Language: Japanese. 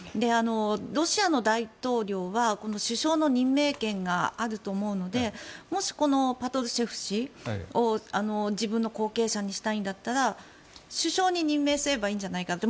ロシアの大統領は首相の任命権があると思うのでもしパトルシェフ氏を自分の後継者にしたいんだったら首相に任命すればいいんじゃないかと。